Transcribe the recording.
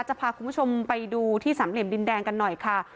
จะพาคุณผู้ชมไปดูที่สามเหลี่ยมดินแดงกันหน่อยค่ะ